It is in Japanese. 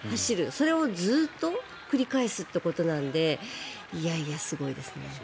それをずっと繰り返すということなのでいやいや、すごいですね。